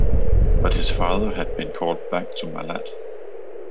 But his father had been called back to Malat.